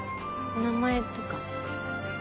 名前とか。